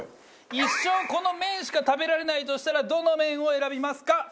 一生この麺しか食べられないとしたらどの麺を選びますか？